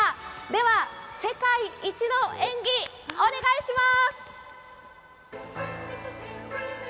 では、世界一の演技、お願いします。